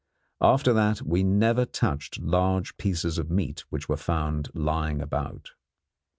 After that we never touched large pieces of meat which we found lying about.